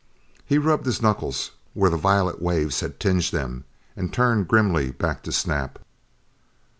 He rubbed his knuckles where the violet waves had tinged them, and turned grimly back to Snap.